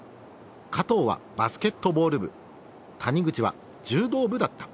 加藤はバスケットボール部谷口は柔道部だった。